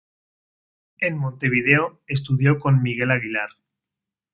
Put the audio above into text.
En Montevideo, estudió con Miguel Aguilar.